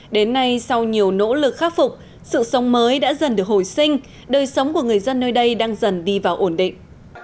đến nay sau nhiều nỗ lực khắc phục sự sống mới đã dần được hồi sinh đời sống của người dân nơi đây đang dần đi vào ổn định